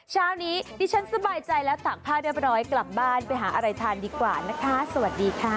เช้านี้ดิฉันสบายใจแล้วตากผ้าเรียบร้อยกลับบ้านไปหาอะไรทานดีกว่านะคะสวัสดีค่ะ